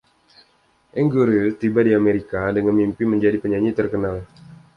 Aguirre tiba di Amerika dengan mimpi menjadi penyanyi terkenal.